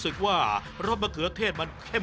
ซุปไก่เมื่อผ่านการต้มก็จะเข้มขึ้น